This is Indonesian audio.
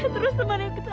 terus temen itu